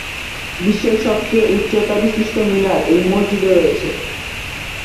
বিশ্বের সবচেয়ে উচ্চতাবিশিষ্ট মিনার এই মসজিদে রয়েছে।